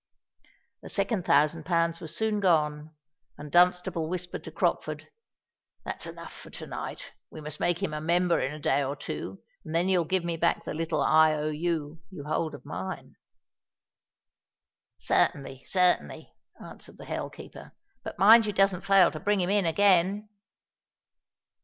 The second thousand pounds were soon gone; and Dunstable whispered to Crockford, "That's enough for to night. We must make him a member in a day or two—and then you'll give me back the little I. O. U. you hold of mine." "Certainly—certainly," answered the hell keeper. "But mind you doesn't fail to bring him again."